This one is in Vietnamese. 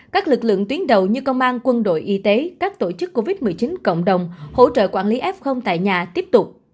các lực lượng tuyến đầu như công an quân đội y tế các tổ chức covid một mươi chín cộng đồng hỗ trợ quản lý f tại nhà tiếp tục